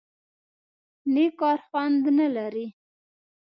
_نېک کار خوند نه لري؟